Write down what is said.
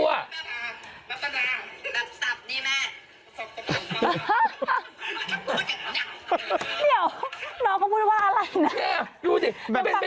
แบบสับนี่แม่